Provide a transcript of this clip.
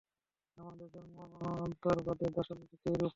আমাদের জন্মান্তরবাদের দার্শনিক ভিত্তি এইরূপ।